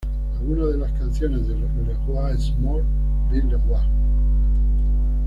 Algunas de las canciones de "Le Roi Est Mort, Vive Le Roi!